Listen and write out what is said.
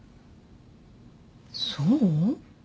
そう？